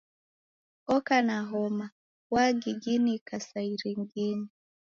Oka na homa, wagiginika sa irigini.